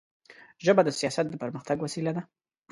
ژبه د سیاست د پرمختګ وسیله ده